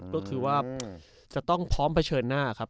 ก็คือว่าจะต้องพร้อมเผชิญหน้าครับ